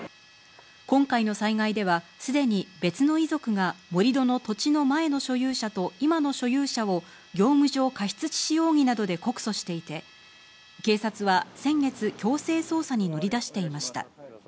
今回の災害では、すでに別の遺族が盛り土の土地の前の所有者と今の所有者を業務上過失致死容疑などで告訴していて、警察は先月、強制捜査に乗り出していました。